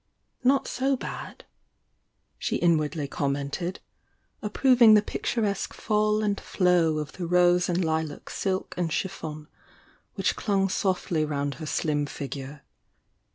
"Not so bad!" she inwardly commented, approv ing the picturesque fall and flow of the rose and lilac silk and chi£Fon which clung softly round her slim figure.